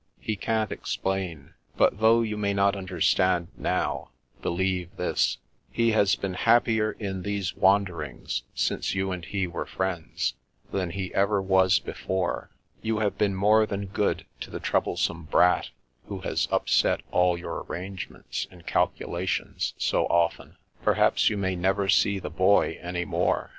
He can't ex plain. But, though you may not understand now, believe this. He has been happier in these wander ings, since you and he were friends, than he ever was before. You have been more than good to the troublesome * Brat ' who has upset all your arrange ments and calculations so often. Perhaps you may never see the Boy any more.